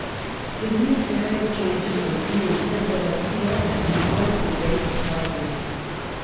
The ministerial changes were few and simple, but Peel had now The Ses to face Parliament.